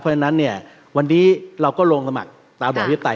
เพราะฉะนั้นเนี่ยวันนี้เราก็ลงสมัครตามบ่อวิทยาไตย